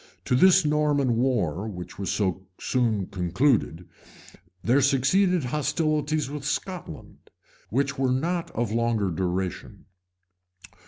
To this Norman war, which was so soon concluded, there succeeded hostilities with Scotland, which were not of longer duration.